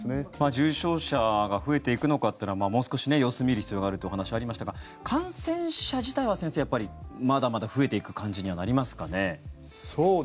重症者が増えていくのかはもう少し様子を見る必要があるということですが感染者自体は、先生まだまだ増えていく感じにはなりますかね？